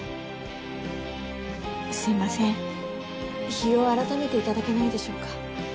すいません日を改めていただけないでしょうか。